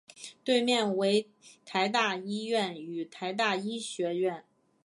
对面为台大医院与台大医学院。